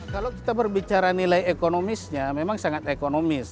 kalau kita berbicara nilai ekonomisnya memang sangat ekonomis